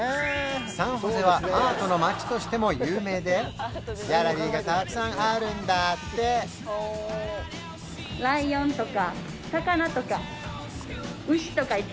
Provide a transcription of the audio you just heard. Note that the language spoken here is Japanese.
サンホセはアートの街としても有名でギャラリーがたくさんあるんだって何ですか？